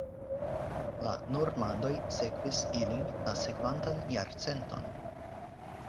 La normandoj sekvis ilin la sekvantan jarcenton.